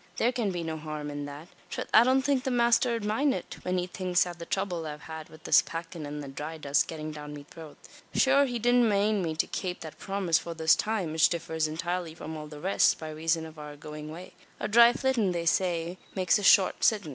Thare can be no harum in that. Trath, I don't think the masther 'ud mind it when he thinks av the throuble I've had wid this packin', an the dhry dust gettin' down me throat. Shure he didn't mane me to kape that promise for this time which differs intirely from all the rest, by razon av our goin' away. A dhry flittin', they say, makes a short sittin'.